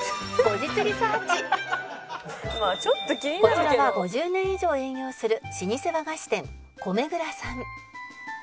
「こちらは５０年以上営業する老舗和菓子店こめ蔵さん」